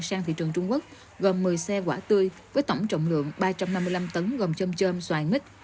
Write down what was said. sang thị trường trung quốc gồm một mươi xe quả tươi với tổng trọng lượng ba trăm năm mươi năm tấn gồm chôm chơm xoài mít